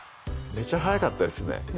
めっちゃ早かったです